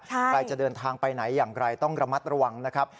ใครจะเดินทางไปไหนอย่างไรต้องระมัดระวังนะครับ